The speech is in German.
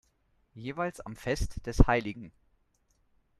Jeweils am Fest des hl.